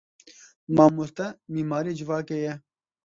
Mamoste mîmarê civakê ye.